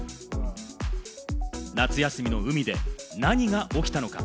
夏休みの海で何が起きたのか？